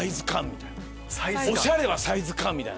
「サイズ感」「おしゃれはサイズ感」みたいな。